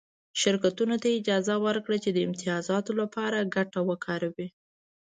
شرکتونو ته یې اجازه ورکړه چې د امتیازاتو لپاره ګټه وکاروي